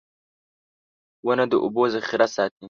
• ونه د اوبو ذخېره ساتي.